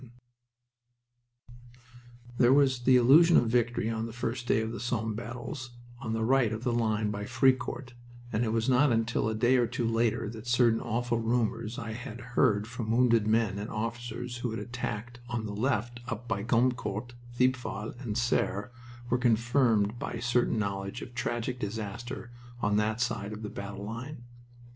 VII There was the illusion of victory on that first day of the Somme battles, on the right of the line by Fricourt, and it was not until a day or two later that certain awful rumors I had heard from wounded men and officers who had attacked on the left up by Gommecourt, Thiepval, and Serre were confirmed by certain knowledge of tragic disaster on that side of the battle line.